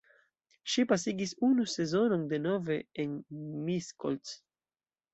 Ŝi pasigis unu sezonon denove en Miskolc.